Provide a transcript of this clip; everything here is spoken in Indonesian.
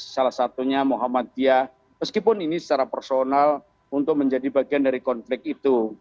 salah satunya muhammadiyah meskipun ini secara personal untuk menjadi bagian dari konflik itu